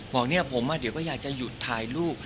บอกเนี่ยผมเดี๋ยวก็อยากจะหยุดถ่ายรูป